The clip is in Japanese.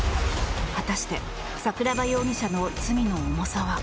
果たして桜庭容疑者の罪の重さは。